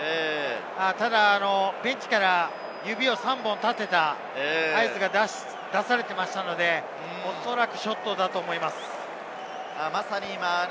ただベンチから指を３本立てた合図が出されていましたので、おそらくショットだと思います。